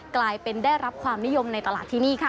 กลายเป็นได้รับความนิยมในตลาดที่นี่ค่ะ